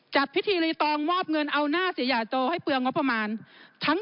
จัดพิธีรีตองมอบเงินเอาหน้าเสียหยาโจให้เปลืองงบประมาณ